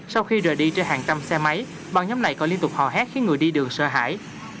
sau khi rời đi trên hàng trăm xe máy bọn nhóm này còn liên tục hò hét khiến người đi đường sợ hãi